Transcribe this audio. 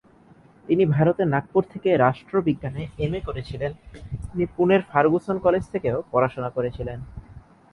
তিনি ভারতের নাগপুর থেকে রাষ্ট্রবিজ্ঞানে এমএ করেছিলেন, তিনি পুনের ফার্গুসন কলেজ থেকেও পড়াশোনা করেছিলেন।